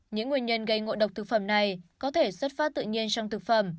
những nguyên nhân gây ngộ độc thực phẩm này có thể xuất phát tự nhiên trong thực phẩm